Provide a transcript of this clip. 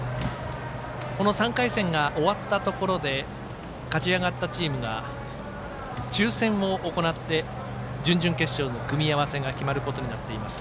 この３回戦が終わったところで勝ち上がったチームが抽せんを行って準々決勝の組み合わせが決まることになっています。